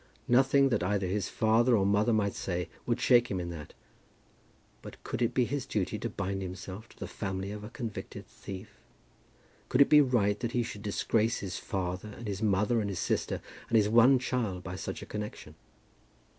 Nothing that either his father or mother might say would shake him in that. But could it be his duty to bind himself to the family of a convicted thief? Could it be right that he should disgrace his father and his mother and his sister and his one child by such a connection?